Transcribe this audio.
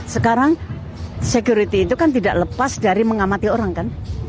sekarang security itu kan tidak lepas dari mengamati orang kan